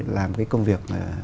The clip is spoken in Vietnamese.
làm cái công việc